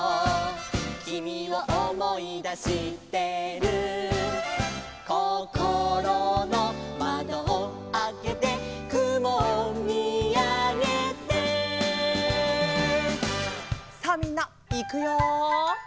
「君を思い出してる」「こころの窓をあけて」「雲を見あげて」さあみんないくよ。